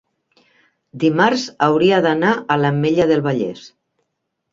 dimarts hauria d'anar a l'Ametlla del Vallès.